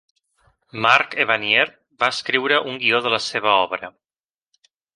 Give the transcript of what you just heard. Mark Evanier va escriure un guió de la seva obra.